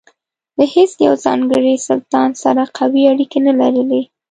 له هیڅ یوه ځانګړي سلطان سره قوي اړیکې نه لرلې.